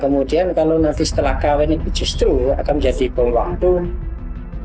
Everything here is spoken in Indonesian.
kemudian kalau nanti setelah kawin itu justru akan menjadi peluang